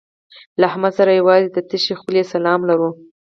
له احمد سره یوازې د تشې خولې سلام لرم.